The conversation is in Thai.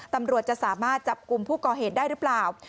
ตำรวจจะสามารถจับกลุ่มผู้ก่อเหตุได้หรือเปล่า